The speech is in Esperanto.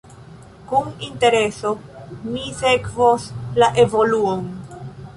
Kun intereso mi sekvos la evoluon.